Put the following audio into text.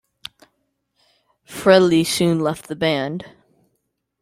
Frehley soon left the band.